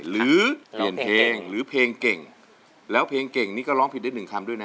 หรือเปลี่ยนเพลงหรือเพลงเก่งแล้วเพลงเก่งนี้ก็ร้องผิดได้หนึ่งคำด้วยนะ